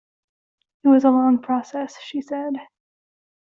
It was a long process, she said.